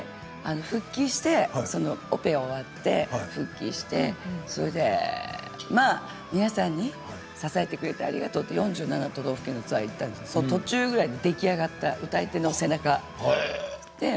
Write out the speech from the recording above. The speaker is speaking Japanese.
オペが終わって復帰をして皆さん支えてくれてありがとうと４７都道府県のツアーに行ったんですけれどそのときに出来上がった歌い手の背中です。